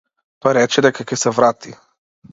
Тој рече дека ќе се врати.